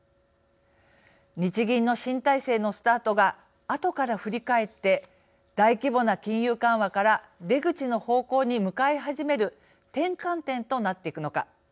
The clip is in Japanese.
日銀の新体制のスタートがあとから振り返って大規模な金融緩和から出口の方向に向かい始める転換点となっていくのか。